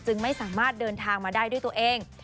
ไม่สามารถเดินทางมาได้ด้วยตัวเอง